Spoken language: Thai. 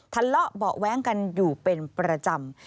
ทะเลาะบ่อแว้งกันเป็นประจำ